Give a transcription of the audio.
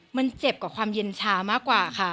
มันเจ็บกว่าความเย็นช้ามากกว่าค่ะ